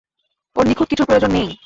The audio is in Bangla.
ওর নিখুঁত কিছুর প্রয়জোন নেই।